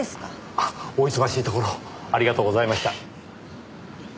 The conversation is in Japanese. あっお忙しいところありがとうございました。